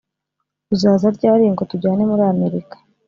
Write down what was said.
uzaza ryari ngo tujyane muri amerika